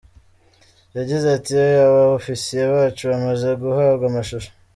Yagize ati “Aba-Ofisiye bacu bamaze guhabwa amashusho.